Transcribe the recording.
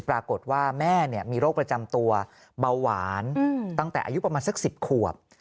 ปรากฏว่าแม่มีโรคประจำตัวเบาหวานตั้งแต่อายุประมาณสัก๑๐ขวบ